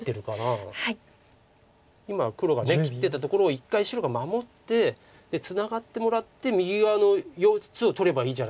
今黒が切っていったところを一回白が守ってツナがってもらって右側の４つを取ればいいじゃないですか。